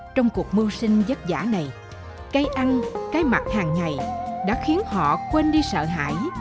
trong cuộc mưu sinh vất vả này cây ăn cây mặt hàng ngày đã khiến họ quên đi sợ hãi